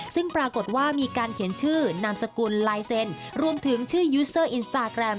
ซึ่งปรากฏว่ามีการเขียนชื่อนามสกุลลายเซ็นต์รวมถึงชื่อยูสเซอร์อินสตาแกรม